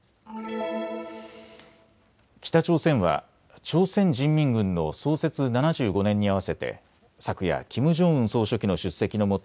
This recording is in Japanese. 北朝鮮は朝鮮人民軍の創設７５年に合わせて昨夜、キム・ジョンウン総書記の出席のもと